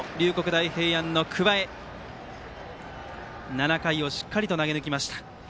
大平安の桑江７回をしっかり投げ抜きました。